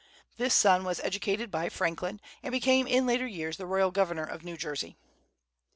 This son was educated by Franklin, and became in later years the royal governor of New Jersey.